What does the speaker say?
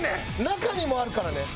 中にもあるからね。